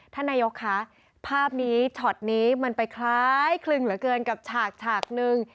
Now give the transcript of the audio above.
ท่านนายกคะภาพนี้ช็อตนี้มันไปคล้ายคลึงเหลือเกินกับฉากฉากนึง